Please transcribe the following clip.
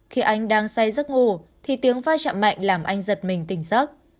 khi anh đang say rất ngủ thì tiếng vai chạm mạnh làm anh giật mình tỉnh giấc